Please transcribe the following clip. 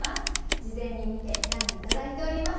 事前に見て選んで頂いております。